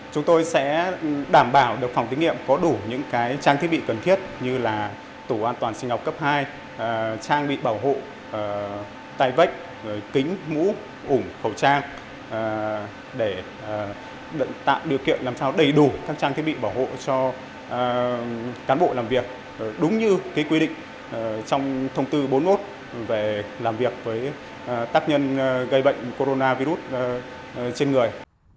chúng tôi sẽ đảm bảo được phòng thử nghiệm có đủ những trang thiết bị cần thiết như là tủ an toàn sinh học cấp hai trang bị bảo hộ tay vách kính mũ ủng khẩu trang để tạo điều kiện làm sao đầy đủ các trang thiết bị bảo hộ cho cán bộ làm việc đúng như quy định trong thông tư bốn mươi một về làm việc với tác nhân gây bệnh coronavirus trên người